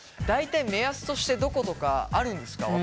大体目安としてどことかあるんですか？